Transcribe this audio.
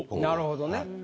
なるほどね。